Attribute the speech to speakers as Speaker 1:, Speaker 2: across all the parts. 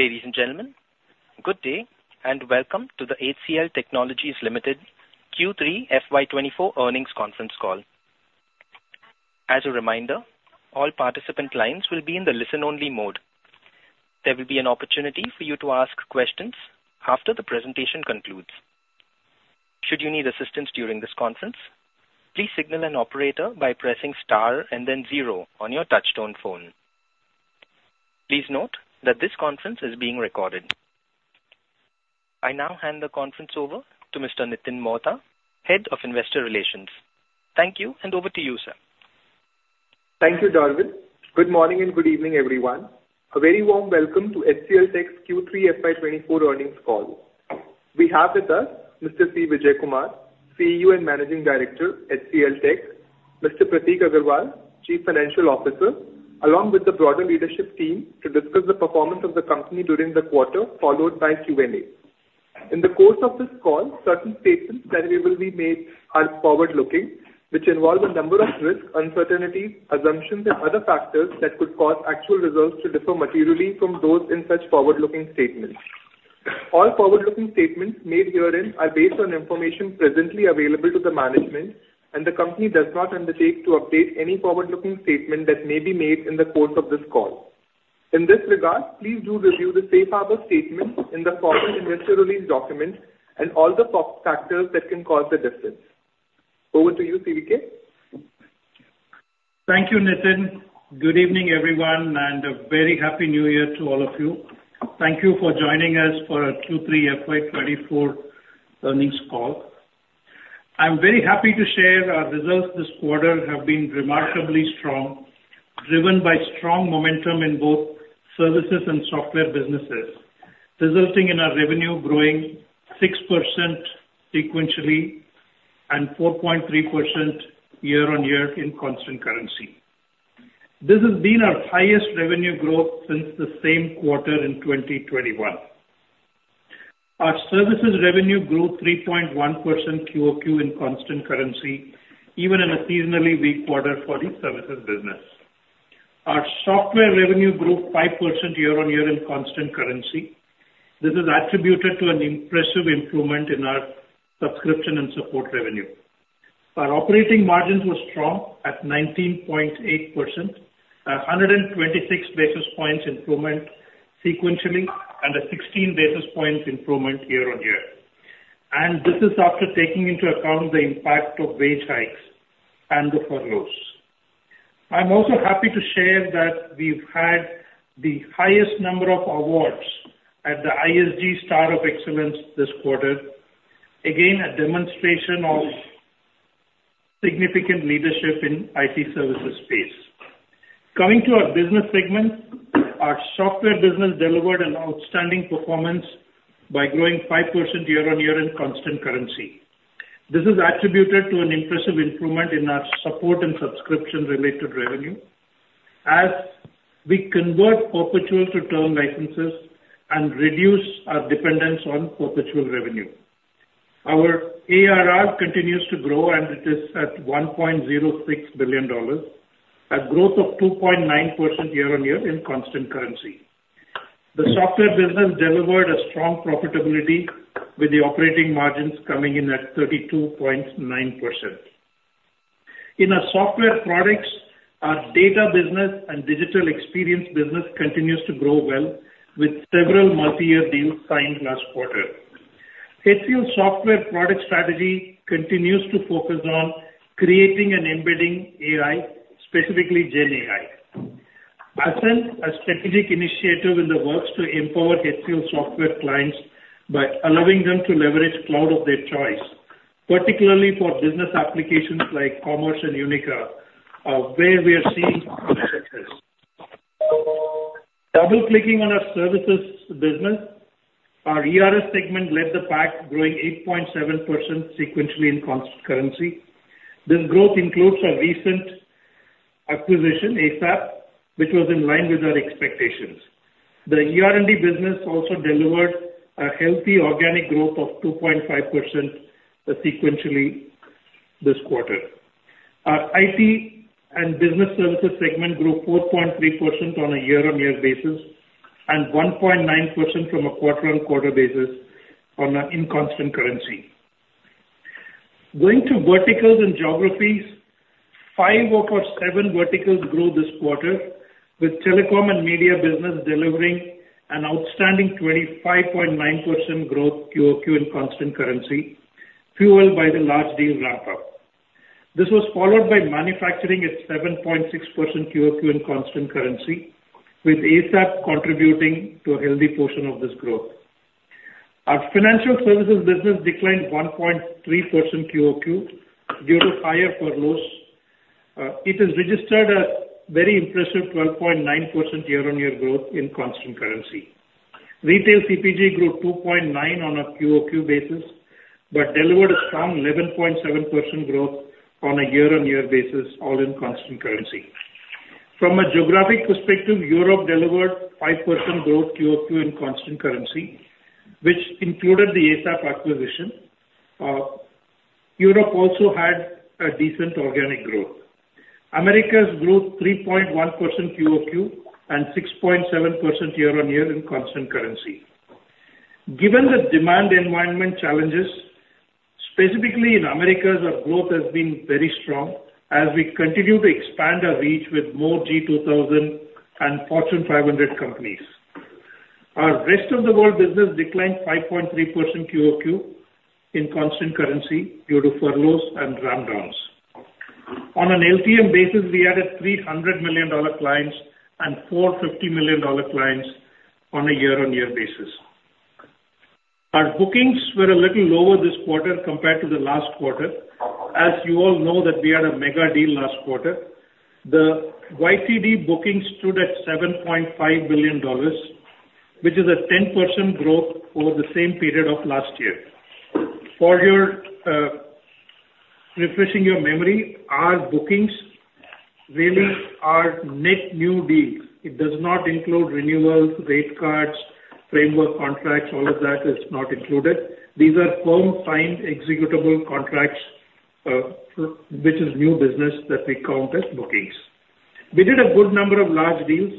Speaker 1: Ladies and gentlemen, good day, and welcome to the HCL Technologies Limited Q3 FY24 earnings Conference Call. As a reminder, all participant lines will be in the listen-only mode. There will be an opportunity for you to ask questions after the presentation concludes. Should you need assistance during this conference, please signal an operator by pressing star and then zero on your touchtone phone. Please note that this conference is being recorded. I now hand the conference over to Mr. Nitin Mohta, Head of Investor Relations. Thank you, and over to you, sir.
Speaker 2: Thank you, Darwin. Good morning and good evening, everyone. A very warm welcome to HCLTech's Q3 FY 2024 earnings call. We have with us Mr. C Vijayakumar, CEO and Managing Director, HCLTech, Mr. Prateek Aggarwal, Chief Financial Officer, along with the broader leadership team, to discuss the performance of the company during the quarter, followed by Q&A. In the course of this call, certain statements that will be made are forward-looking, which involve a number of risks, uncertainties, assumptions, and other factors that could cause actual results to differ materially from those in such forward-looking statements. All forward-looking statements made herein are based on information presently available to the management, and the company does not undertake to update any forward-looking statement that may be made in the course of this call. In this regard, please do review the safe harbor statement in the corporate investor release document and all the factors that can cause the difference. Over to you, CVK.
Speaker 3: Thank you, Nitin. Good evening, everyone, and a very Happy New Year to all of you. Thank you for joining us for our Q3 FY 2024 earnings call. I'm very happy to share our results this quarter have been remarkably strong, driven by strong momentum in both services and software businesses, resulting in our revenue growing 6% sequentially and 4.3% year-on-year in constant currency. This has been our highest revenue growth since the same quarter in 2021. Our services revenue grew 3.1% QOQ in constant currency, even in a seasonally weak quarter for the services business. Our software revenue grew 5% year-on-year in constant currency. This is attributed to an impressive improvement in our subscription and support revenue. Our operating margins were strong at 19.8%, 126 basis points improvement sequentially, and 16 basis points improvement year-on-year. This is after taking into account the impact of wage hikes and the furloughs. I'm also happy to share that we've had the highest number of awards at the ISG Star of Excellence this quarter. Again, a demonstration of significant leadership in IT services space. Coming to our business segment, our software business delivered an outstanding performance by growing 5% year-on-year in constant currency. This is attributed to an impressive improvement in our support and subscription-related revenue as we convert perpetual to term licenses and reduce our dependence on perpetual revenue. Our ARR continues to grow, and it is at $1.06 billion, a growth of 2.9% year-on-year in constant currency. The software business delivered a strong profitability with the operating margins coming in at 32.9%. In our software products, our data business and digital experience business continues to grow well, with several multi-year deals signed last quarter. HCL Software product strategy continues to focus on creating and embedding AI, specifically GenAI. Ascent, a strategic initiative in the works to empower HCL Software clients by allowing them to leverage cloud of their choice, particularly for business applications like Commerce and Unica, where we are seeing successes. Double-clicking on our services business, our ERS segment led the pack, growing 8.7% sequentially in constant currency. This growth includes our recent acquisition, ASAP, which was in line with our expectations. The ER&D business also delivered a healthy organic growth of 2.5%, sequentially this quarter. Our IT and business services segment grew 4.3% on a year-on-year basis and 1.9% on a quarter-on-quarter basis in constant currency. Going to verticals and geographies, five out of seven verticals grew this quarter, with telecom and media business delivering an outstanding 25.9% growth QOQ in constant currency, fueled by the large deal wrap-up. This was followed by manufacturing at 7.6% QOQ in constant currency, with ASAP contributing to a healthy portion of this growth. Our financial services business declined 1.3% QOQ due to higher furloughs. It has registered a very impressive 12.9% year-on-year growth in constant currency. Retail CPG grew 2.9% on a QOQ basis, but delivered a strong 11.7% growth on a year-on-year basis, all in constant currency. From a geographic perspective, Europe delivered 5% growth QoQ in constant currency, which included the ASAP acquisition. Europe also had a decent organic growth. Americas growth 3.1% QoQ, and 6.7% year-over-year in constant currency. Given the demand environment challenges, specifically in Americas, our growth has been very strong as we continue to expand our reach with more G2000 and Fortune 500 companies. Our rest of the world business declined 5.3% QoQ in constant currency due to furloughs and ramp downs. On an LTM basis, we added $300 million clients and $450 million clients on a year-over-year basis. Our bookings were a little lower this quarter compared to the last quarter. As you all know, that we had a mega deal last quarter. The YTD bookings stood at $7.5 billion, which is a 10% growth over the same period of last year. For your refreshing your memory, our bookings really are net new deals. It does not include renewals, rate cards, framework contracts, all of that is not included. These are firm, signed, executable contracts, which is new business that we count as bookings. We did a good number of large deals,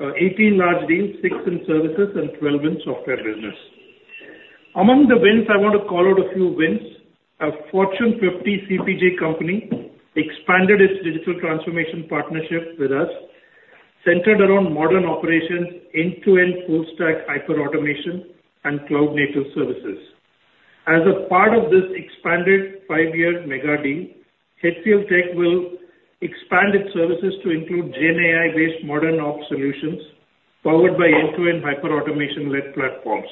Speaker 3: 18 large deals, six in services and 12 in software business. Among the wins, I want to call out a few wins. A Fortune 50 CPG company expanded its digital transformation partnership with us, centered around modern operations, end-to-end full stack hyperautomation and cloud native services. As a part of this expanded five-year mega deal, HCLTech will expand its services to include GenAI-based modernOps solutions, powered by end-to-end hyperautomation-led platforms.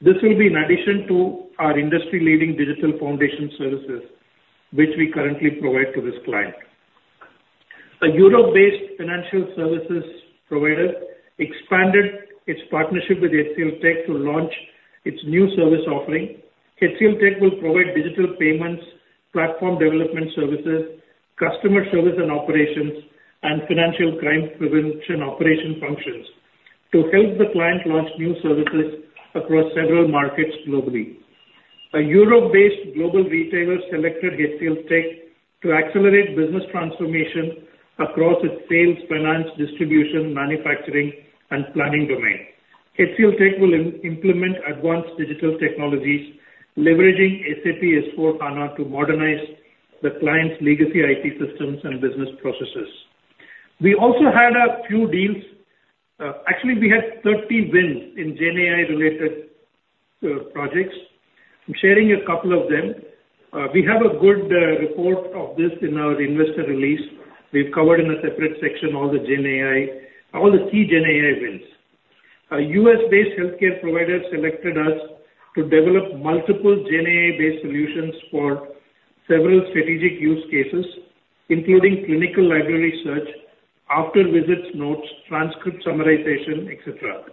Speaker 3: This will be in addition to our industry-leading digital foundation services, which we currently provide to this client. A Europe-based financial services provider expanded its partnership with HCLTech to launch its new service offering. HCLTech will provide digital payments, platform development services, customer service and operations, and financial crime prevention operation functions to help the client launch new services across several markets globally. A Europe-based global retailer selected HCLTech to accelerate business transformation across its sales, finance, distribution, manufacturing, and planning domain. HCLTech will implement advanced digital technologies, leveraging SAP S/4HANA to modernize the client's legacy IT systems and business processes. We also had a few deals, actually, we had 13 wins in GenAI-related projects. I'm sharing a couple of them. We have a good report of this in our investor release. We've covered in a separate section, all the GenAI, all the key GenAI wins. A US-based healthcare provider selected us to develop multiple GenAI-based solutions for several strategic use cases, including clinical library search, after visits notes, transcript summarization, et cetera.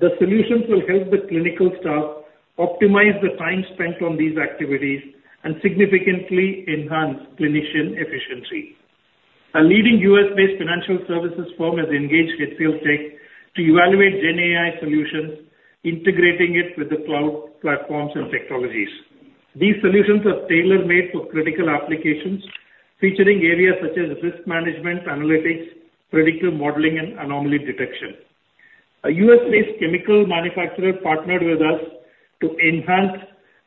Speaker 3: The solutions will help the clinical staff optimize the time spent on these activities and significantly enhance clinician efficiency. A leading U.S.-based financial services firm has engaged HCLTech to evaluate GenAI solutions, integrating it with the cloud platforms and technologies. These solutions are tailor-made for critical applications, featuring areas such as risk management, analytics, predictive modeling, and anomaly detection. A U.S.-based chemical manufacturer partnered with us to enhance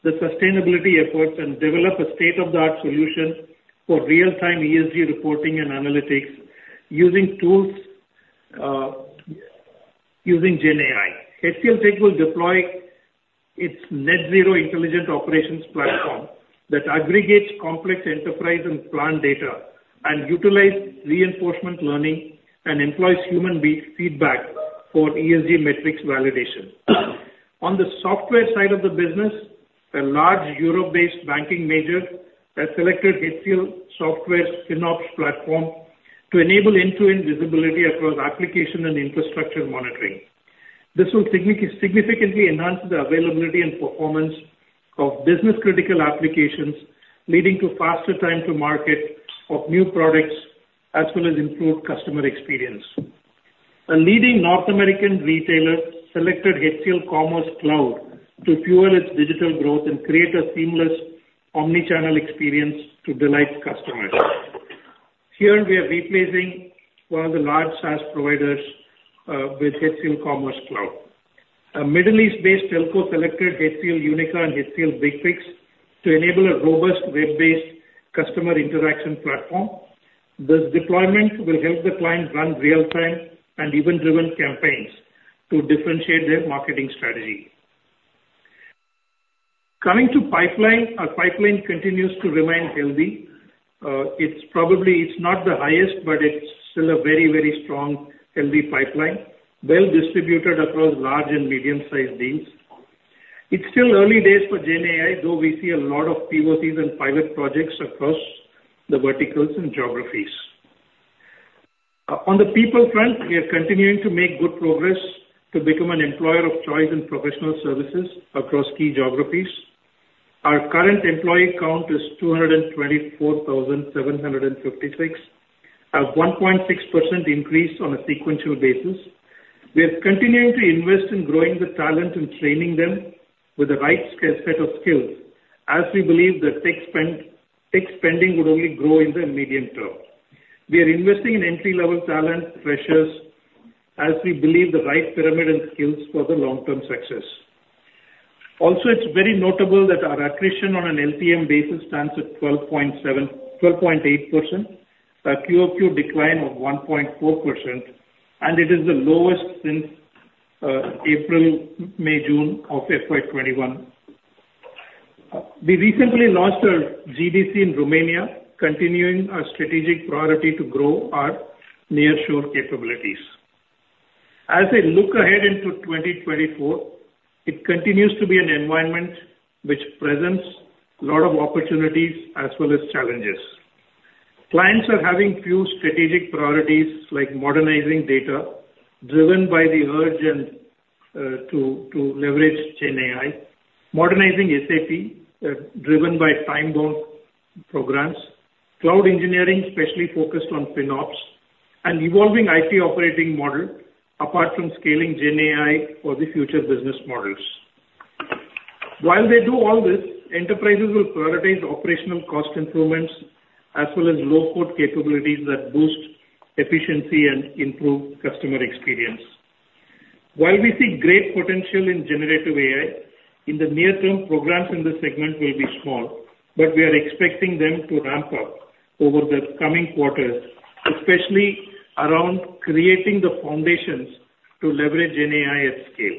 Speaker 3: the sustainability efforts and develop a state-of-the-art solution for real-time ESG reporting and analytics using tools, using GenAI. HCLTech will deploy its NetZero Intelligent Operations Platform that aggregates complex enterprise and plant data, and utilize reinforcement learning and employs human feedback for ESG metrics validation. On the software side of the business, a large Europe-based banking major has selected HCLSoftware's Synops platform to enable end-to-end visibility across application and infrastructure monitoring. This will significantly enhance the availability and performance of business-critical applications, leading to faster time to market of new products, as well as improved customer experience. A leading North American retailer selected HCL Commerce Cloud to fuel its digital growth and create a seamless omni-channel experience to delight customers. Here, we are replacing one of the large SaaS providers with HCL Commerce Cloud. A Middle East-based telco selected HCL Unica and HCL BigFix to enable a robust web-based customer interaction platform. This deployment will help the client run real time and event-driven campaigns to differentiate their marketing strategy. Coming to pipeline, our pipeline continues to remain healthy. It's probably, it's not the highest, but it's still a very, very strong, healthy pipeline, well distributed across large and medium-sized deals. It's still early days for GenAI, though we see a lot of POCs and pilot projects across the verticals and geographies. On the people front, we are continuing to make good progress to become an employer of choice in professional services across key geographies. Our current employee count is 224,756, a 1.6% increase on a sequential basis. We are continuing to invest in growing the talent and training them with the right skill, set of skills, as we believe that tech spend, tech spending will only grow in the medium-term. We are investing in entry-level talent freshers as we believe the right pyramid and skills for the long-term success. Also, it's very notable that our attrition on an LTM basis stands at 12.8%, a QoQ decline of 1.4%, and it is the lowest since April, May, June of FY 2021. We recently launched our GDC in Romania, continuing our strategic priority to grow our nearshore capabilities. As I look ahead into 2024, it continues to be an environment which presents a lot of opportunities as well as challenges. Clients are having few strategic priorities, like modernizing data, driven by the urge and to leverage GenAI. Modernizing SAP, driven by time-bound programs. Cloud engineering, especially focused on FinOps. And evolving IT operating model, apart from scaling GenAI for the future business models. While they do all this, enterprises will prioritize operational cost improvements as well as low-code capabilities that boost efficiency and improve customer experience. While we see great potential in generative AI, in the near-term, programs in this segment will be small, but we are expecting them to ramp up over the coming quarters, especially around creating the foundations to leverage GenAI at scale,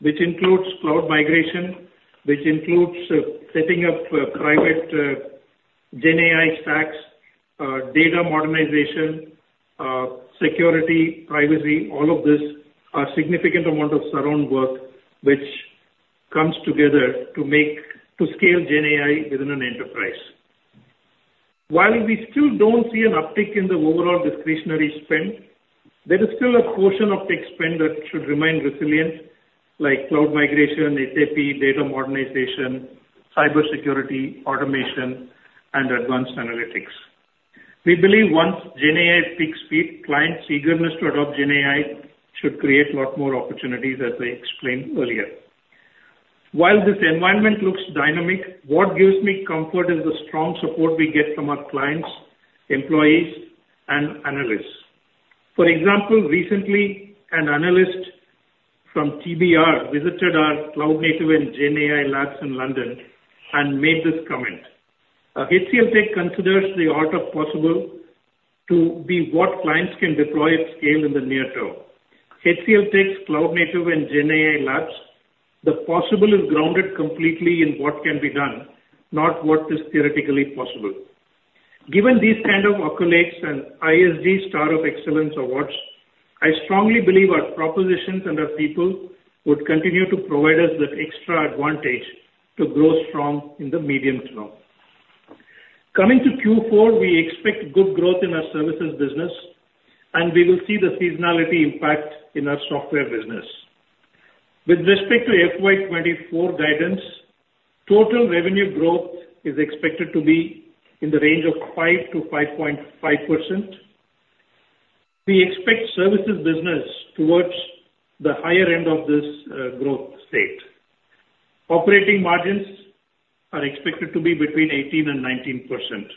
Speaker 3: which includes cloud migration, which includes setting up private GenAI stacks, data modernization, security, privacy. All of this are significant amount of surround work, which comes together to make to scale GenAI within an enterprise. While we still don't see an uptick in the overall discretionary spend, there is still a portion of tech spend that should remain resilient, like cloud migration, SAP, data modernization, cybersecurity, automation, and advanced analytics. We believe once GenAI picks speed, clients' eagerness to adopt GenAI should create a lot more opportunities, as I explained earlier. While this environment looks dynamic, what gives me comfort is the strong support we get from our clients, employees, and analysts. For example, recently, an analyst from TBR visited our cloud native and GenAI labs in London and made this comment: "HCLTech considers the art of possible to be what clients can deploy at scale in the near-term. HCLTech's cloud native and GenAI labs, the possible is grounded completely in what can be done, not what is theoretically possible." Given these kind of accolades and ISG Star of Excellence awards, I strongly believe our propositions and our people would continue to provide us that extra advantage to grow strong in the medium-term. Coming to Q4, we expect good growth in our services business, and we will see the seasonality impact in our software business. With respect to FY 2024 guidance, total revenue growth is expected to be in the range of 5%-5.5%. We expect services business towards the higher end of this, growth state. Operating margins are expected to be between 18%-19%.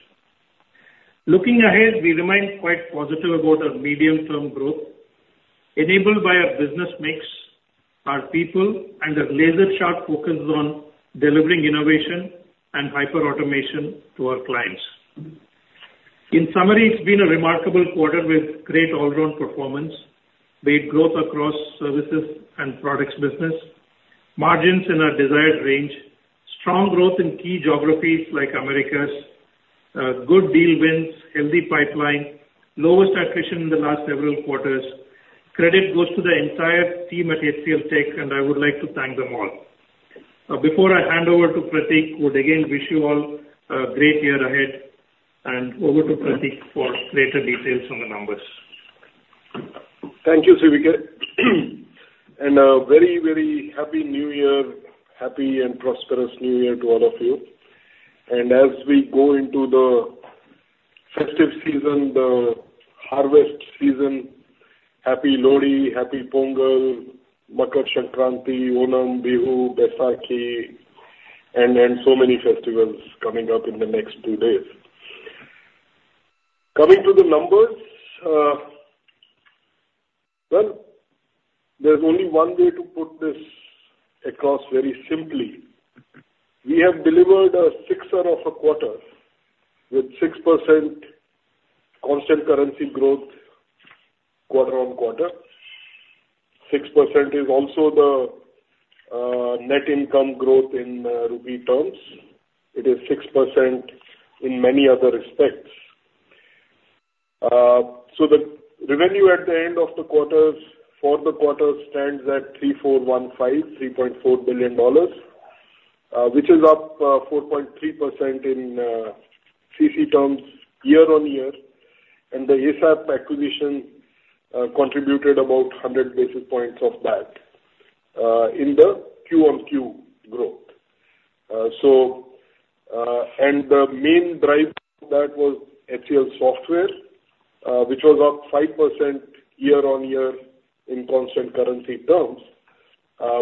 Speaker 3: Looking ahead, we remain quite positive about our medium-term growth, enabled by our business mix, our people, and a laser-sharp focus on delivering innovation and hyperautomation to our clients. In summary, it's been a remarkable quarter with great all-around performance, great growth across services and products business, margins in our desired range, strong growth in key geographies like Americas, good deal wins, healthy pipeline, lowest attrition in the last several quarters. Credit goes to the entire team at HCLTech, and I would like to thank them all. Before I hand over to Prateek, would again wish you all a great year ahead, and over to Prateek for greater details on the numbers.
Speaker 4: Thank you, CVK. A very, very happy New Year. Happy and prosperous New Year to all of you. As we go into the festive season, the harvest season, happy Lohri, happy Pongal, Makar Sankranti, Onam, Bihu, Baisakhi, and, and so many festivals coming up in the next two days. Coming to the numbers, well, there's only one way to put this across very simply. We have delivered a sixer of a quarter, with 6% constant currency growth quarter-on-quarter. 6% is also the net income growth in rupee terms. It is 6% in many other respects. So the revenue at the end of the quarters, for the quarter stands at $3.415 billion, which is up 4.3% in CC terms year-on-year. The ASAP acquisition contributed about 100 basis points of that in the Q-on-Q growth. The main driver of that was HCLSoftware, which was up 5% year-on-year in constant currency terms,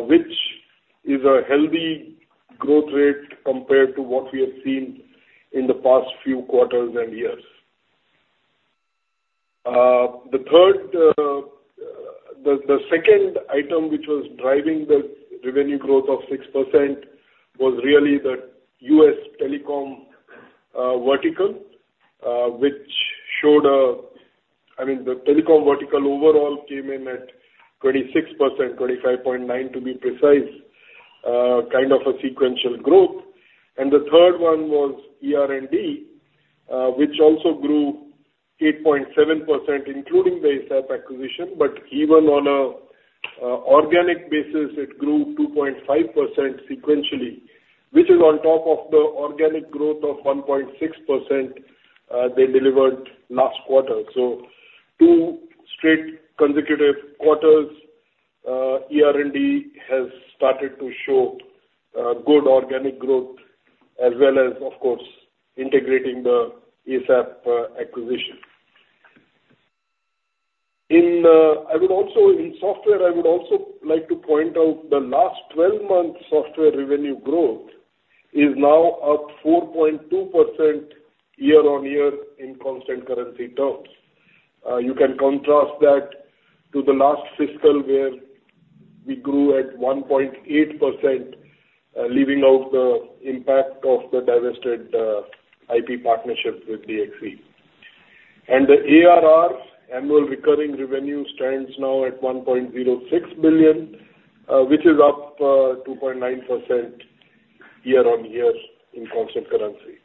Speaker 4: which is a healthy growth rate compared to what we have seen in the past few quarters and years. The second item, which was driving the revenue growth of 6% was really the U.S. telecom vertical, which showed, I mean, the telecom vertical overall came in at 26%, 25.9% to be precise, kind of a sequential growth. The third one was ER&D, which also grew 8.7%, including the ASAP acquisition, but even on an organic basis, it grew 2.5% sequentially, which is on top of the organic growth of 1.6% they delivered last quarter. So two straight consecutive quarters, ER&D has started to show good organic growth as well as, of course, integrating the ASAP acquisition. In software, I would also like to point out the last 12-month software revenue growth is now up 4.2% year-over-year in constant currency terms. You can contrast that to the last fiscal, where we grew at 1.8%, leaving out the impact of the divested IP partnership with DXC. The ARR, annual recurring revenue, stands now at $1.06 billion, which is up 2.9% year-over-year in constant currency.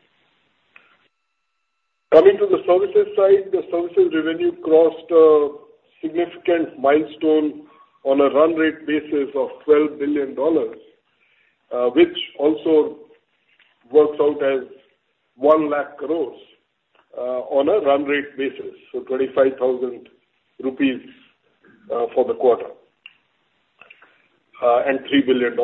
Speaker 4: Coming to the services side, the services revenue crossed a significant milestone on a run rate basis of $12 billion, which also works out as 100,000 crore on a run rate basis, so 25,000 crore rupees for the quarter and $3 billion.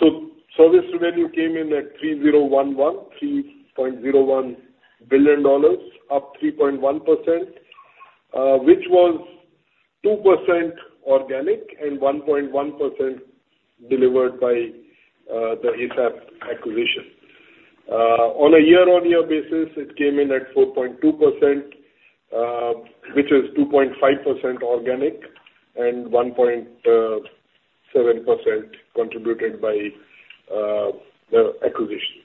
Speaker 4: So service revenue came in at $3.01 billion, up 3.1%, which was 2% organic and 1.1% delivered by the ASAP acquisition. On a year-over-year basis, it came in at 4.2%, which is 2.5% organic and 1.7% contributed by the acquisition.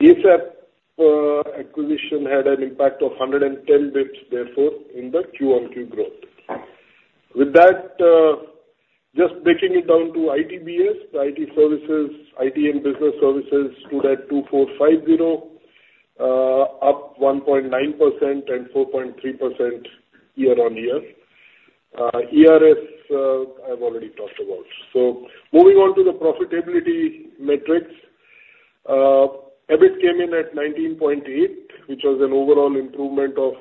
Speaker 4: ASAP acquisition had an impact of 110 basis points, therefore, in the Q-on-Q growth. With that, just breaking it down to ITBS, the IT services, IT and Business Services stood at $2,450 million, up 1.9% and 4.3% year-over-year. ERS, I've already talked about. So moving on to the profitability metrics. EBIT came in at 19.8%, which was an overall improvement of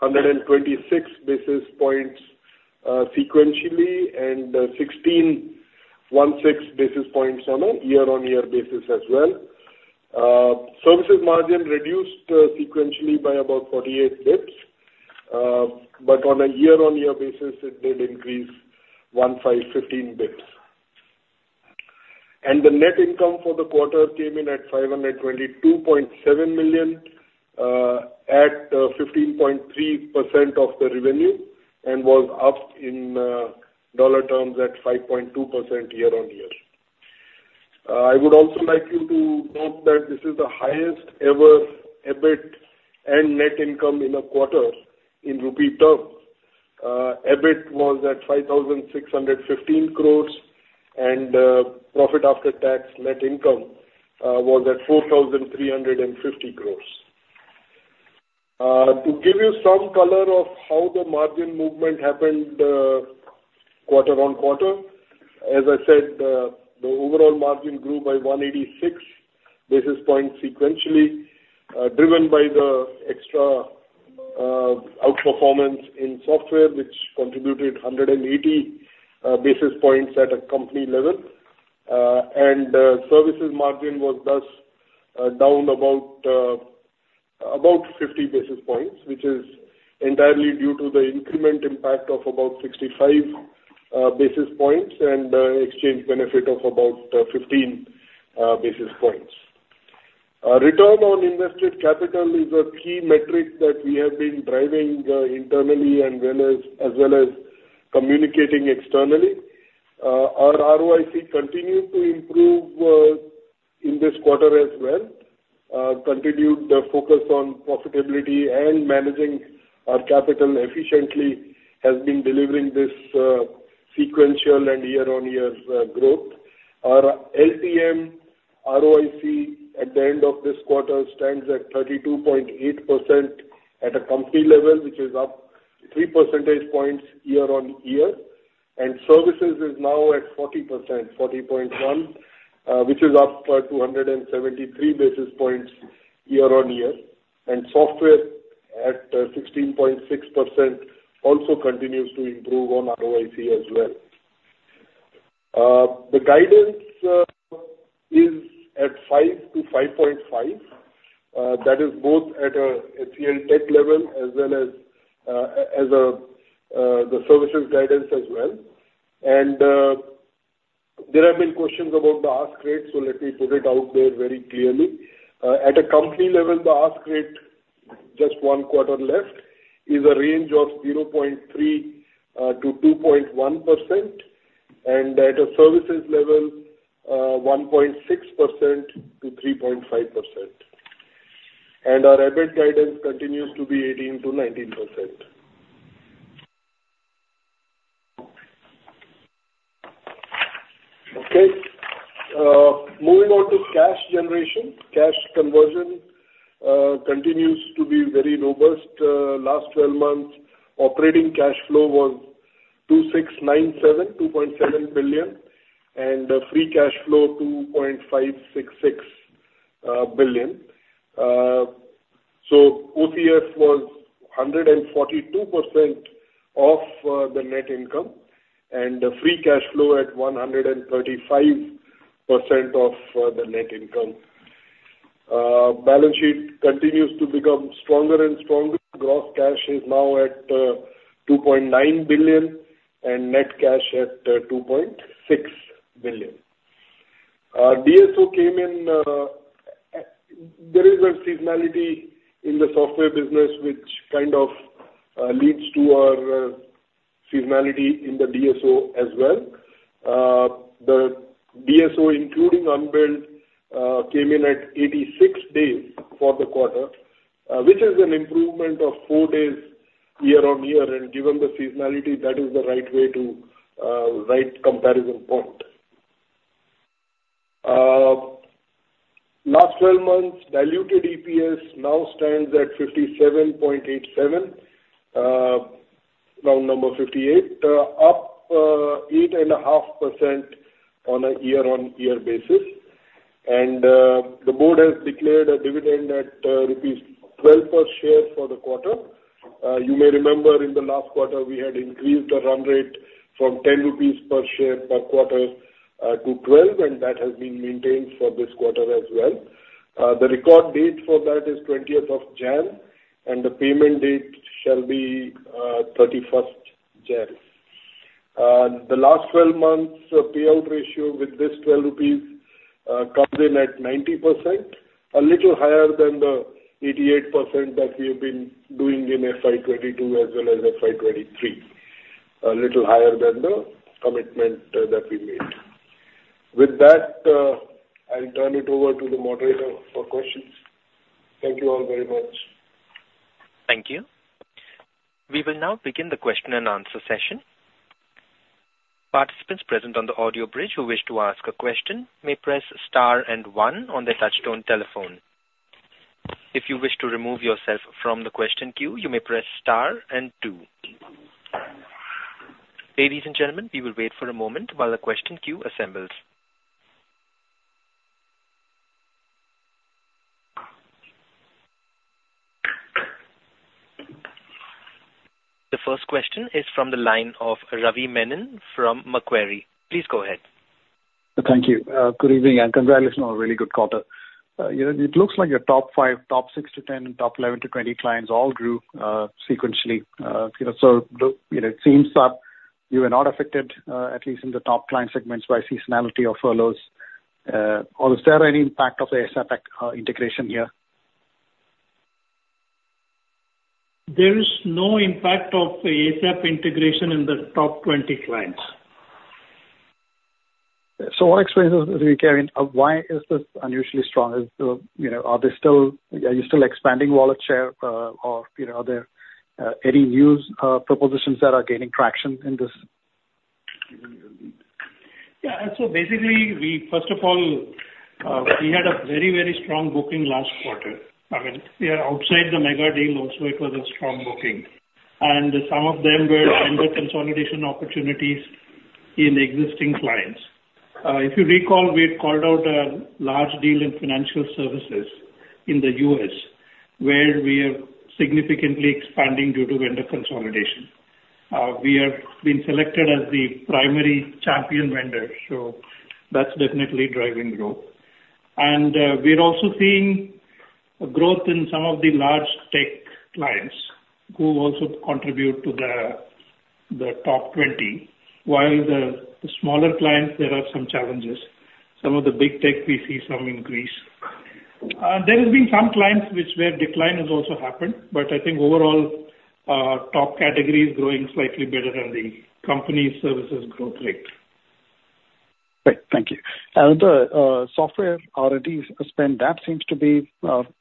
Speaker 4: 126 basis points sequentially, and 161 basis points on a year-over-year basis as well. Services margin reduced sequentially by about 48 basis points. But on a year-over-year basis, it did increase 15 basis points. The net income for the quarter came in at $522.7 million at 15.3% of the revenue, and was up in dollar terms at 5.2% year-on-year. I would also like you to note that this is the highest ever EBIT and net income in a quarter in rupee terms. EBIT was at 5,615 crores, and profit after tax net income was at 4,350 crores. To give you some color of how the margin movement happened, quarter-on-quarter, as I said, the overall margin grew by 186 basis points sequentially, driven by the extra outperformance in software, which contributed 180 basis points at a company level. And services margin was thus down about 50 basis points, which is entirely due to the increment impact of about 65 basis points and exchange benefit of about 15 basis points. Return on invested capital is a key metric that we have been driving internally and as well as communicating externally. Our ROIC continued to improve in this quarter as well. Continued the focus on profitability and managing our capital efficiently has been delivering this sequential and year-on-year growth. Our LTM ROIC at the end of this quarter stands at 32.8% at a company level, which is up 3% points year-on-year. And services is now at 40%, 40.1%, which is up by 273 basis points year-on-year. And software-... at 16.6% also continues to improve on ROIC as well. The guidance is at 5-5.5, that is both at a HCLTech level as well as the services guidance as well. And there have been questions about the ask rate, so let me put it out there very clearly. At a company level, the ask rate, just one quarter left, is a range of 0.3%-2.1%, and at a services level, 1.6%-3.5%. And our EBITDA guidance continues to be 18%-19%. Okay, moving on to cash generation. Cash conversion continues to be very robust. Last 12 months, operating cash flow was 2,697, $2.7 billion, and free cash flow $2.566 billion. So OCF was 142% of the net income, and the free cash flow at 135% of the net income. Balance sheet continues to become stronger and stronger. Gross cash is now at $2.9 billion and net cash at $2.6 billion. DSO came in, there is a seasonality in the software business which kind of leads to our seasonality in the DSO as well. The DSO, including unbilled, came in at 86 days for the quarter, which is an improvement of four days year-on-year, and given the seasonality, that is the right way to right comparison point. Last twelve months, diluted EPS now stands at 57.87, round number 58, up 8.5% on a year-on-year basis. The board has declared a dividend of rupees 12 per share for the quarter. You may remember in the last quarter, we had increased our run rate from 10 rupees per share per quarter to 12, and that has been maintained for this quarter as well. The record date for that is 20th of January, and the payment date shall be 31st January. The last 12 months payout ratio with this 12 rupees comes in at 90%, a little higher than the 88% that we've been doing in FY 2022 as well as FY 2023. A little higher than the commitment that we made. With that, I'll turn it over to the moderator for questions. Thank you all very much.
Speaker 1: Thank you. We will now begin the question and answer session. Participants present on the audio bridge who wish to ask a question may press star and one on their touchtone telephone. If you wish to remove yourself from the question queue, you may press star and two. Ladies and gentlemen, we will wait for a moment while the question queue assembles. The first question is from the line of Ravi Menon from Macquarie. Please go ahead.
Speaker 5: Thank you. Good evening, and congratulations on a really good quarter. You know, it looks like your top five, top 6-10, top 11-20 clients all grew sequentially. You know, so, you know, it seems that you were not affected, at least in the top client segments, by seasonality or furloughs. Or is there any impact of the ASAP integration here?
Speaker 4: There is no impact of the ASAP integration in the top 20 clients.
Speaker 5: So what explains this, Prateek? Why is this unusually strong? You know, are they still... Are you still expanding wallet share, or, you know, are there any new propositions that are gaining traction in this?
Speaker 4: Yeah. So basically, we first of all had a very, very strong booking last quarter. I mean, yeah, outside the mega deal, also it was a strong booking. And some of them were under consolidation opportunities in existing clients. If you recall, we had called out a large deal in financial services in the U.S., where we are significantly expanding due to vendor consolidation. We have been selected as the primary champion vendor, so that's definitely driving growth. And we're also seeing a growth in some of the large tech clients, who also contribute to the top 20. While the smaller clients, there are some challenges. Some of the big tech, we see some increase. There has been some clients which, where decline has also happened, but I think overall, top categories growing slightly better than the company's services growth rate.
Speaker 5: Great, thank you. And the software R&D spend, that seems to be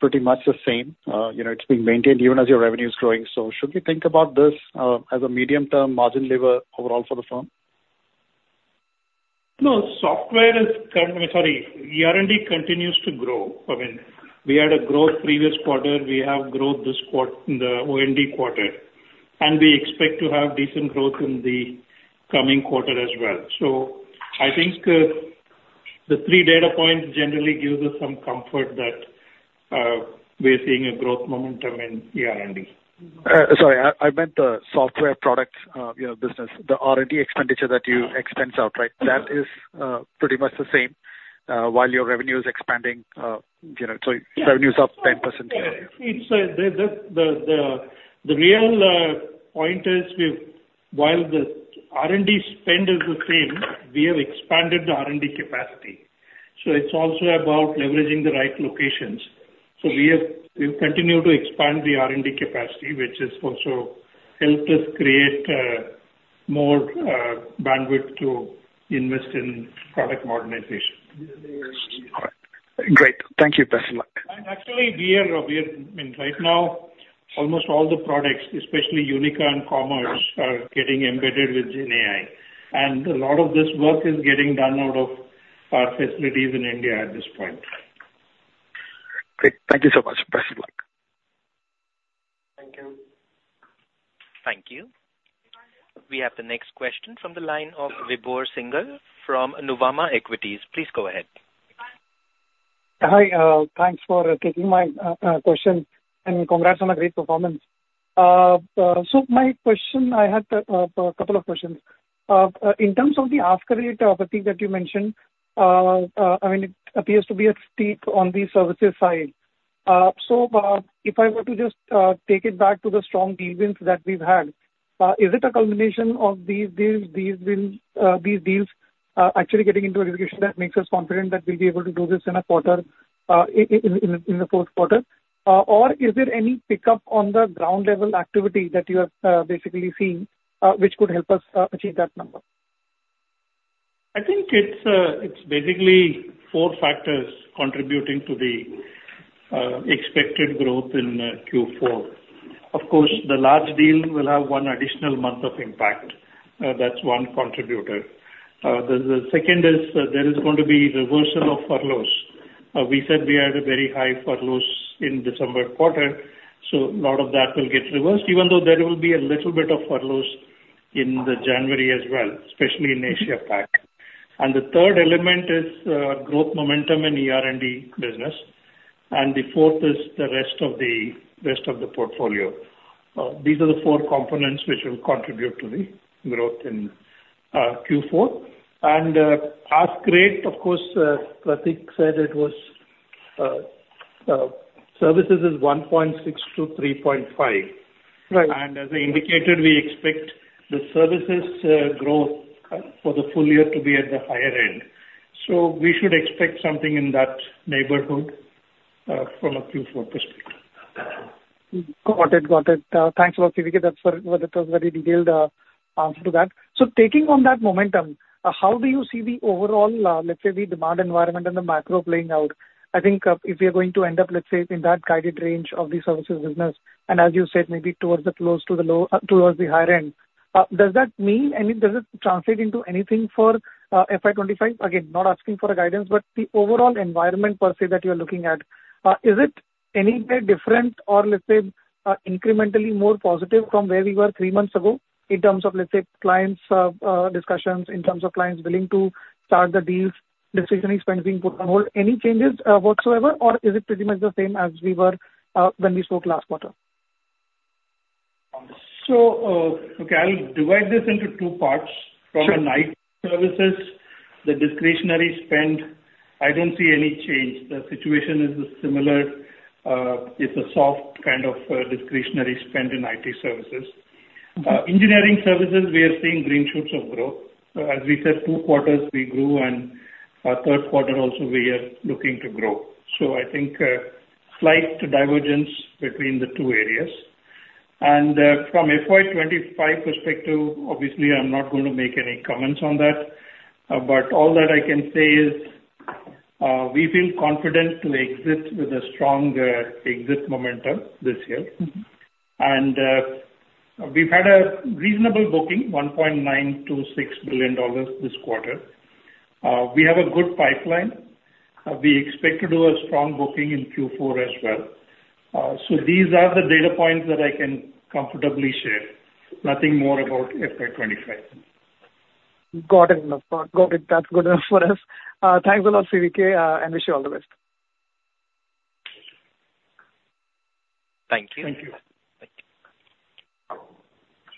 Speaker 5: pretty much the same. You know, it's being maintained even as your revenue is growing. So should we think about this as a medium-term margin lever overall for the firm?
Speaker 4: No, software is current- sorry, ER&D continues to grow. I mean, we had a growth previous quarter, we have growth this in the ER&D quarter, and we expect to have decent growth in the coming quarter as well. So I think,... The three data points generally gives us some comfort that, we are seeing a growth momentum in ER&D.
Speaker 5: Sorry, I meant the software products, you know, business, the R&D expenditure that you expense out, right? That is pretty much the same while your revenue is expanding, you know, so revenue's up 10%.
Speaker 3: It's the real point: while the R&D spend is the same, we have expanded the R&D capacity. So it's also about leveraging the right locations. So we've continued to expand the R&D capacity, which has also helped us create more bandwidth to invest in product modernization.
Speaker 5: All right. Great. Thank you. Best of luck.
Speaker 3: Actually, we are, I mean, right now, almost all the products, especially Unica and Commerce, are getting embedded with GenAI. A lot of this work is getting done out of our facilities in India at this point.
Speaker 5: Great. Thank you so much. Best of luck.
Speaker 3: Thank you.
Speaker 1: Thank you. We have the next question from the line of Vibhor Singhal from Nuvama Equities. Please go ahead.
Speaker 6: Hi, thanks for taking my question, and congrats on a great performance. So my question, I had a couple of questions. In terms of the ask rate, Prateek, that you mentioned, I mean, it appears to be steep on the services side. So, if I were to just take it back to the strong dealings that we've had, is it a culmination of these deals, these deals, these deals, actually getting into a situation that makes us confident that we'll be able to do this in a quarter, in the fourth quarter? Or is there any pickup on the ground-level activity that you are basically seeing, which could help us achieve that number?
Speaker 3: I think it's basically four factors contributing to the expected growth in Q4. Of course, the large deal will have one additional month of impact. That's one contributor. The second is there is going to be reversal of furloughs. We said we had a very high furloughs in December quarter, so a lot of that will get reversed, even though there will be a little bit of furloughs in the January as well, especially in Asia Pac. And the third element is growth momentum in ER&D business, and the fourth is the rest of the portfolio. These are the four components which will contribute to the growth in Q4. And, that's great, of course, Prateek said it was services is 1.6-3.5.
Speaker 6: Right.
Speaker 3: As I indicated, we expect the services growth for the full year to be at the higher end. We should expect something in that neighborhood from a Q4 perspective.
Speaker 6: Got it. Got it. Thanks a lot, CVK. That's very, well, that was very detailed answer to that. So taking on that momentum, how do you see the overall, let's say, the demand environment and the macro playing out? I think, if you're going to end up, let's say, in that guided range of the services business, and as you said, maybe towards the close to the low, towards the higher end, does that mean any... Does it translate into anything for, FY 2025? Again, not asking for a guidance, but the overall environment per se that you are looking at, is it any way different or let's say, incrementally more positive from where we were three months ago in terms of, let's say, clients, discussions, in terms of clients willing to start the deals, discretionary spend being put on hold, any changes, whatsoever? Or is it pretty much the same as we were, when we spoke last quarter?
Speaker 3: Okay, I'll divide this into two parts.
Speaker 6: Sure.
Speaker 3: From an IT services, the discretionary spend, I don't see any change. The situation is similar. It's a soft kind of discretionary spend in IT services. Engineering services, we are seeing green shoots of growth. As we said, two quarters we grew, and our third quarter also we are looking to grow. So I think, slight divergence between the two areas. From FY 2025 perspective, obviously, I'm not going to make any comments on that. But all that I can say is, we feel confident to exit with a strong exit momentum this year.
Speaker 6: Mm-hmm.
Speaker 3: We've had a reasonable booking, $1.926 billion this quarter. We have a good pipeline. We expect to do a strong booking in Q4 as well. So these are the data points that I can comfortably share. Nothing more about FY 2025.
Speaker 6: Got it. Got it. That's good enough for us. Thanks a lot, CVK, and wish you all the best.
Speaker 1: Thank you.
Speaker 3: Thank you.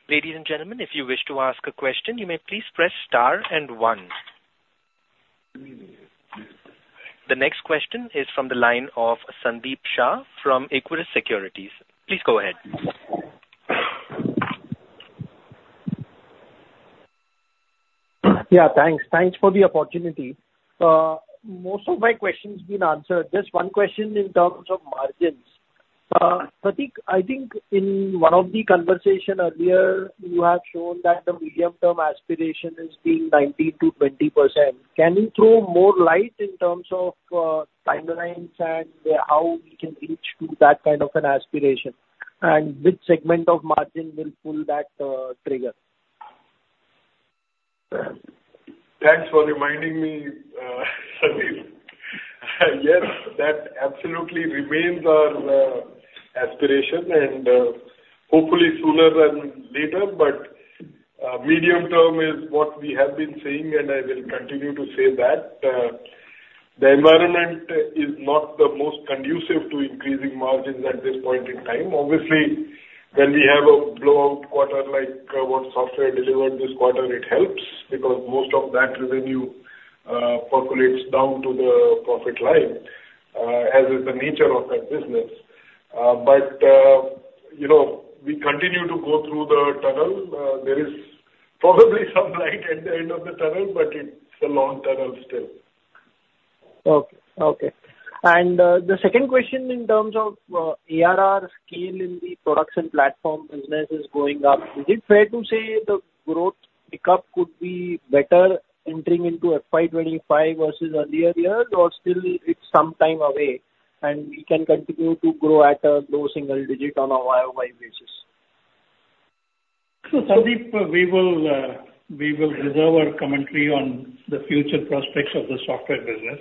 Speaker 1: Ladies and gentlemen, if you wish to ask a question, you may please press star and one. The next question is from the line of Sandeep Shah from Equirus Securities. Please go ahead.
Speaker 7: Yeah, thanks. Thanks for the opportunity. Most of my question's been answered. Just one question in terms of margins. Prateek, I think in one of the conversation earlier, you have shown that the medium-term aspiration is being 19%-20%. Can you throw more light in terms of, timelines and how we can reach to that kind of an aspiration? And which segment of margin will pull that, trigger?
Speaker 4: Thanks for reminding me, Sandeep- ...That absolutely remains our aspiration and, hopefully sooner than later. But, medium term is what we have been saying, and I will continue to say that. The environment is not the most conducive to increasing margins at this point in time. Obviously, when we have a blowout quarter like what software delivered this quarter, it helps, because most of that revenue percolates down to the profit line, as is the nature of that business. But, you know, we continue to go through the tunnel. There is probably some light at the end of the tunnel, but it's a long tunnel still.
Speaker 7: Okay, okay. And, the second question in terms of, ARR scale in the products and platform business is going up. Is it fair to say the growth pickup could be better entering into FY 2025 versus earlier years, or still it's some time away, and we can continue to grow at a low single digit on a YOY basis?
Speaker 4: So, Sandeep, we will reserve our commentary on the future prospects of the software business.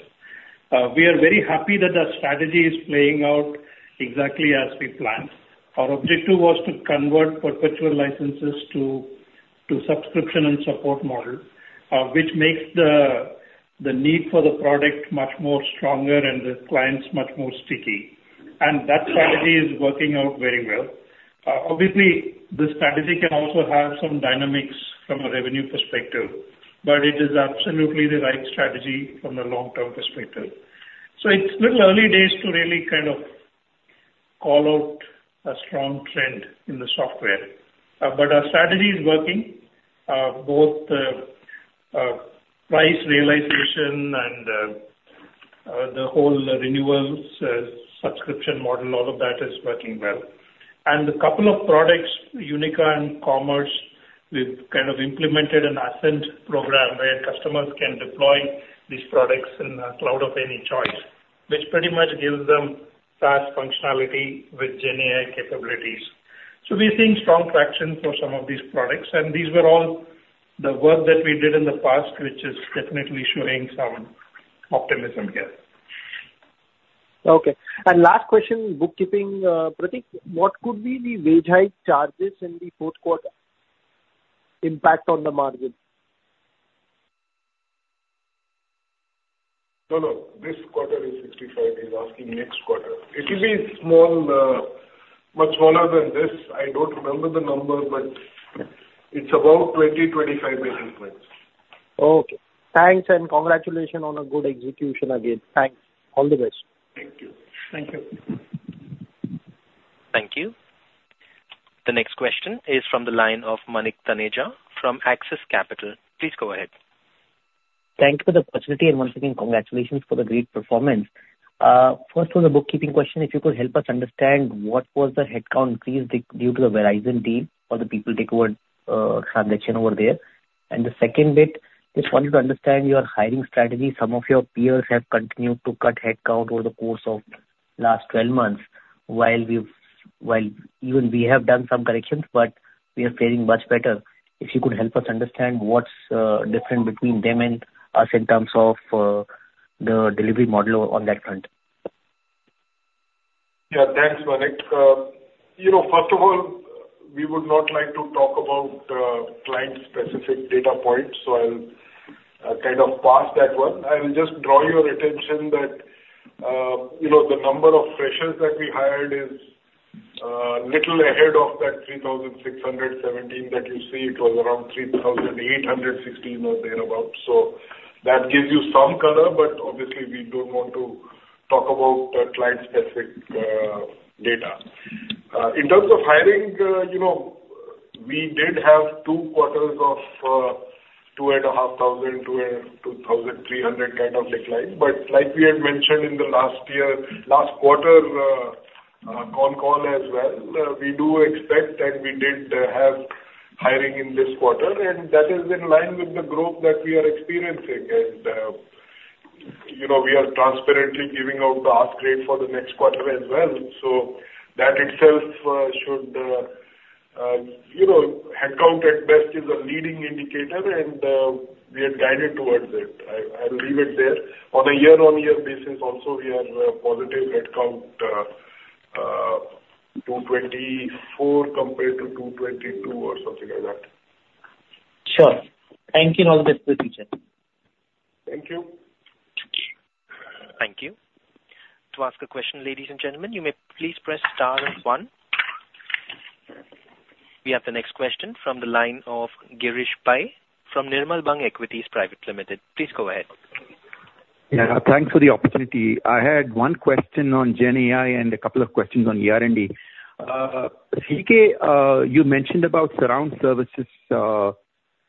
Speaker 4: We are very happy that our strategy is playing out exactly as we planned. Our objective was to convert perpetual licenses to subscription and support model, which makes the need for the product much more stronger and the clients much more sticky. And that strategy is working out very well. Obviously, the strategy can also have some dynamics from a revenue perspective, but it is absolutely the right strategy from a long-term perspective. So it's little early days to really kind of call out a strong trend in the software. But our strategy is working, both the price realization and the whole renewals, subscription model, all of that is working well. A couple of products, Unica and Commerce, we've kind of implemented an Ascent program where customers can deploy these products in a cloud of any choice, which pretty much gives them SaaS functionality with GenAI capabilities. So we are seeing strong traction for some of these products, and these were all the work that we did in the past, which is definitely showing some optimism here.
Speaker 7: Okay. And last question, bookkeeping. Prateek, what could be the wage hike charges in the fourth quarter impact on the margin?
Speaker 4: No, no. This quarter is 65. He's asking next quarter. It will be small, much smaller than this. I don't remember the number, but it's about 20-25 basis points.
Speaker 7: Okay. Thanks, and congratulations on a good execution again. Thanks. All the best.
Speaker 4: Thank you.
Speaker 1: Thank you. Thank you. The next question is from the line of Manik Taneja from Axis Capital. Please go ahead.
Speaker 8: Thanks for the opportunity, and once again, congratulations for the great performance. First, on the bookkeeping question, if you could help us understand what was the headcount increase due to the Verizon deal or the people takeover transaction over there? And the second bit, just wanted to understand your hiring strategy. Some of your peers have continued to cut headcount over the course of last twelve months, while even we have done some corrections, but we are faring much better. If you could help us understand what's different between them and us in terms of the delivery model on that front?
Speaker 4: Yeah, thanks, Manik. You know, first of all, we would not like to talk about client-specific data points, so I'll kind of pass that one. I will just draw your attention that you know, the number of freshers that we hired is little ahead of that 3,617 that you see. It was around 3,816 or thereabout. So that gives you some color, but obviously we don't want to talk about client-specific data. In terms of hiring, you know, we did have two quarters of 2,500-2,300 kind of decline. But like we had mentioned in the last year, last quarter, con call as well, we do expect, and we did, have hiring in this quarter, and that is in line with the growth that we are experiencing. And, you know, we are transparently giving out the upgrade for the next quarter as well. So that itself, should, you know, headcount at best is a leading indicator, and, we are guided towards it. I'll leave it there. On a year-on-year basis also, we are positive headcount, 224 compared to 222 or something like that.
Speaker 8: Sure. Thank you, and all the best for the future.
Speaker 4: Thank you.
Speaker 1: Thank you. Thank you. To ask a question, ladies and gentlemen, you may please press star and one. We have the next question from the line of Girish Pai from Nirmal Bang Equities Private Limited. Please go ahead.
Speaker 9: Yeah, thanks for the opportunity. I had one question on GenAI and a couple of questions on R&D. PK, you mentioned about surround services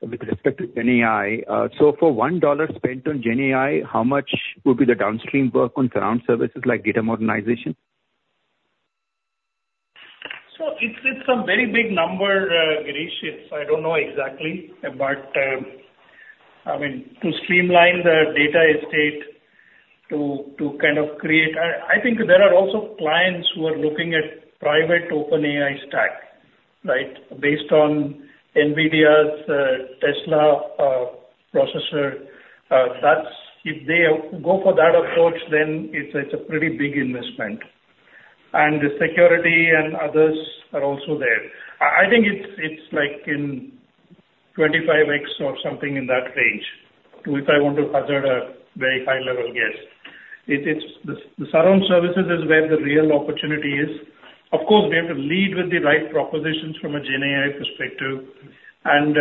Speaker 9: with respect to GenAI. So, for $1 spent on GenAI, how much would be the downstream work on surround services like data modernization?
Speaker 4: So it's a very big number, Girish. It's—I don't know exactly, but I mean, to streamline the data estate, to kind of create... I think there are also clients who are looking at private open AI stack....
Speaker 3: Right, based on NVIDIA's Tesla processor, that's if they go for that approach, then it's a pretty big investment. And the security and others are also there. I think it's like in 25x or something in that range, if I want to hazard a very high-level guess. It's the surround services is where the real opportunity is. Of course, we have to lead with the right propositions from a GenAI perspective. And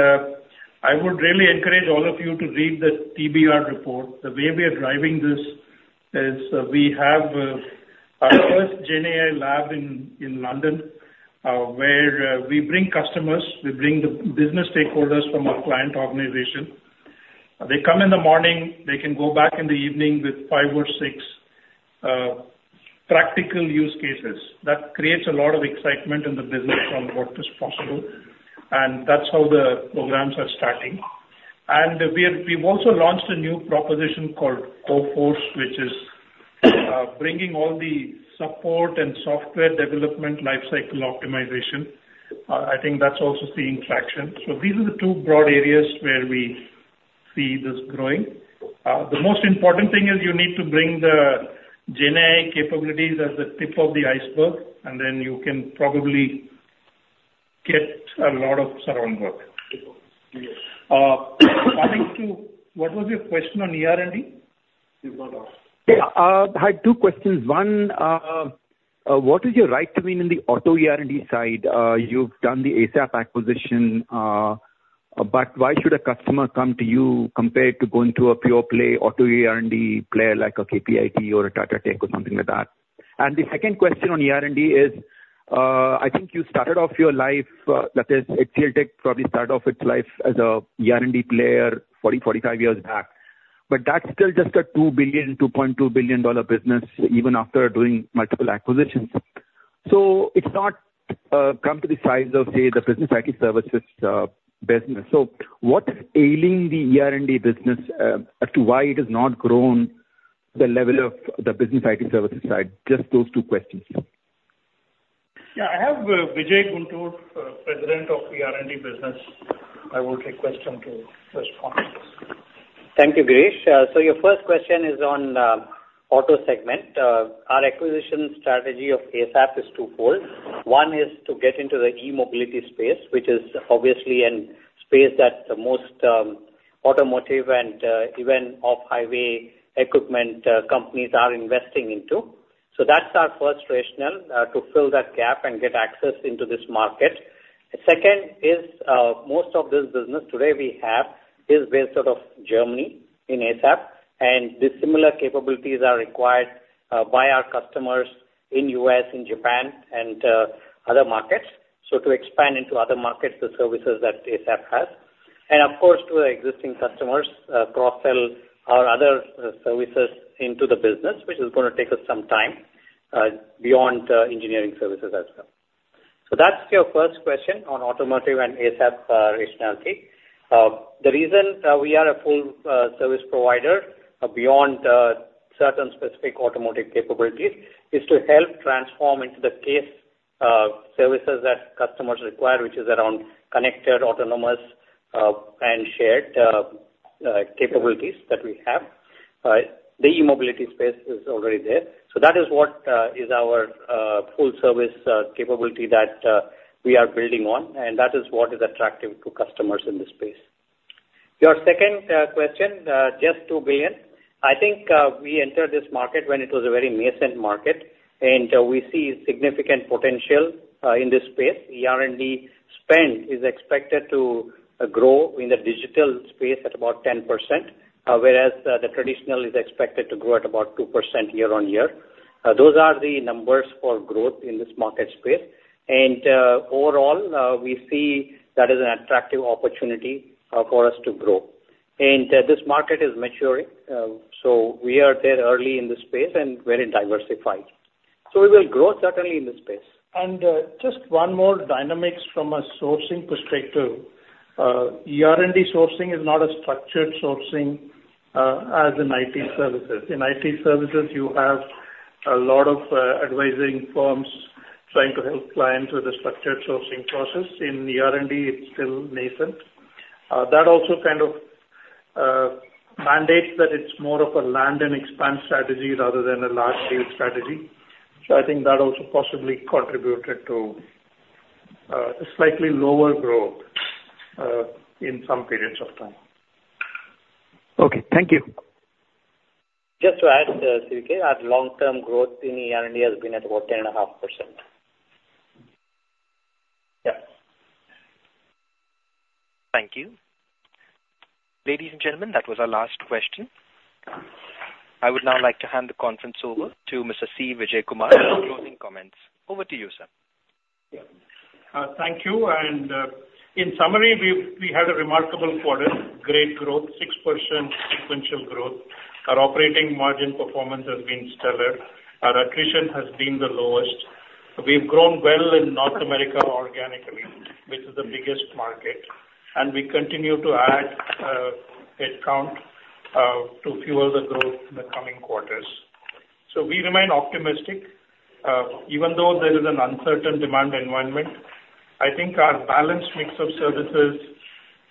Speaker 3: I would really encourage all of you to read the TBR report. The way we are driving this is, we have our first GenAI lab in London, where we bring customers, we bring the business stakeholders from our client organization. They come in the morning, they can go back in the evening with five or six practical use cases. That creates a lot of excitement in the business on what is possible, and that's how the programs are starting. We've also launched a new proposition called CoForce, which is bringing all the support and software development lifecycle optimization. I think that's also seeing traction. So these are the two broad areas where we see this growing. The most important thing is you need to bring the GenAI capabilities as the tip of the iceberg, and then you can probably get a lot of surround work. Coming to... What was your question on ER&D?
Speaker 9: Yeah, I had two questions. One, what is your right to win in the auto ER&D side? You've done the ASAP acquisition, but why should a customer come to you compared to going to a pure play auto ER&D player, like a KPIT or a Tata Tech or something like that? And the second question on ER&D is, I think you started off your life, that is HCLTech, probably started off its life as a ER&D player 40-45 years back. But that's still just a $2 billion-$2.2 billion business, even after doing multiple acquisitions. So it's not come to the size of, say, the business IT services business. So what is ailing the ER&D business, as to why it has not grown the level of the business IT services side? Just those two questions.
Speaker 3: Yeah, I have Vijay Guntur, President of ER&D business. I would request him to respond to this.
Speaker 10: Thank you, Girish. So your first question is on auto segment. Our acquisition strategy of ASAP is twofold. One is to get into the e-mobility space, which is obviously an space that most automotive and even off-highway equipment companies are investing into. So that's our first rationale to fill that gap and get access into this market. The second is most of this business today we have is based out of Germany, in ASAP, and the similar capabilities are required by our customers in U.S., in Japan, and other markets. So to expand into other markets, the services that ASAP has. And of course, to our existing customers cross-sell our other services into the business, which is gonna take us some time beyond engineering services as well. So that's your first question on automotive and ASAP rationality. The reason we are a full service provider beyond certain specific automotive capabilities is to help transform into the case services that customers require, which is around connected, autonomous, and shared capabilities that we have. The e-mobility space is already there. So that is what is our full service capability that we are building on, and that is what is attractive to customers in this space. Your second question, just to begin, I think, we entered this market when it was a very nascent market, and we see significant potential in this space. ER&D spend is expected to grow in the digital space at about 10%, whereas the traditional is expected to grow at about 2% year-on-year. Those are the numbers for growth in this market space. And overall, we see that as an attractive opportunity for us to grow. And this market is maturing, so we are there early in this space and very diversified. So we will grow certainly in this space.
Speaker 3: Just one more dynamic from a sourcing perspective. ER&D sourcing is not a structured sourcing, as in IT services. In IT services, you have a lot of advising firms trying to help clients with a structured sourcing process. In ER&D, it's still nascent. That also kind of mandates that it's more of a land and expand strategy rather than a large deal strategy. So I think that also possibly contributed to a slightly lower growth in some periods of time.
Speaker 9: Okay, thank you.
Speaker 10: Just to add, CK, our long-term growth in ER&D has been at about 10.5%.
Speaker 3: Yeah.
Speaker 1: Thank you. Ladies and gentlemen, that was our last question. I would now like to hand the conference over to Mr. C. Vijayakumar for closing comments. Over to you, sir.
Speaker 3: Yeah. Thank you. In summary, we had a remarkable quarter. Great growth, 6% sequential growth. Our operating margin performance has been stellar. Our attrition has been the lowest. We've grown well in North America organically, which is the biggest market, and we continue to add head count to fuel the growth in the coming quarters. So we remain optimistic even though there is an uncertain demand environment. I think our balanced mix of services,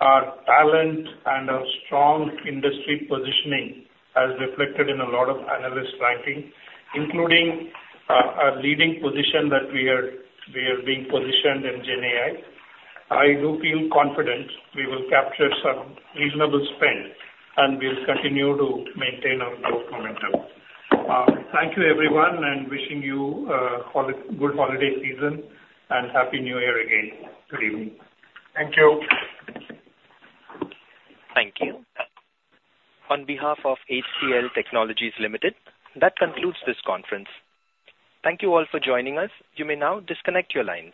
Speaker 3: our talent, and our strong industry positioning as reflected in a lot of analyst ranking, including our leading position that we are being positioned in GenAI. I do feel confident we will capture some reasonable spend, and we'll continue to maintain our growth momentum. Thank you, everyone, and wishing you good holiday season, and Happy New Year again. Good evening.
Speaker 10: Thank you.
Speaker 1: Thank you. On behalf of HCL Technologies Limited, that concludes this conference. Thank you all for joining us. You may now disconnect your lines.